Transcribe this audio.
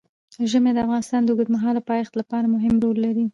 ژمی د افغانستان د اوږدمهاله پایښت لپاره مهم رول لري.